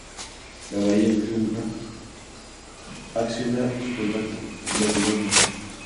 La varilla que resuena acciona su contacto, las demás no.